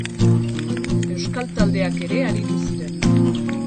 Euskal taldeak ere aritu ziren.